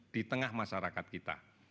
di tengah masyarakat kita